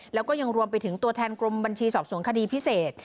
แล้วก็ยังรวมไปถึงตัวแทนกรมบัญชีสอบสวนคดีพิเศษ